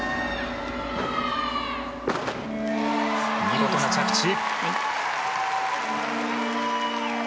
見事な着地。